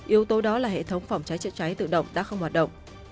yếu tố đó là hệ thống phòng cháy chữa cháy tự động đã không hoạt động